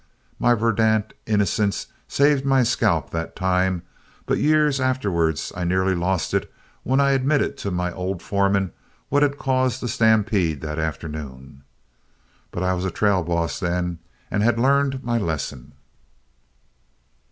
My verdant innocence saved my scalp that time, but years afterward I nearly lost it when I admitted to my old foreman what had caused the stampede that afternoon. But I was a trail boss then and had learned my lesson."